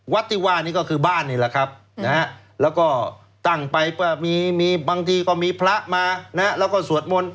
วัฒน์ติว่านี่ก็คือบ้านนี่แหละครับแล้วก็ตั้งไปบางทีก็มีพระมาแล้วก็สวดมนต์